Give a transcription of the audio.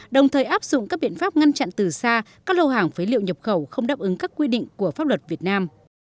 đồng thời áp dụng các biện pháp ngăn chặn từ xa các lô hàng phế liệu nhập khẩu không đáp ứng các quy định của pháp luật việt nam